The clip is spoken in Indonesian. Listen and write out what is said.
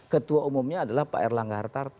ketua umumnya adalah pak erlangga hartarto